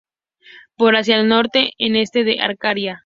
Paul hacia el Norte en la este de Arcadia.